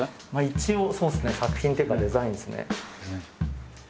一応そうですね作品っていうかデザインですね。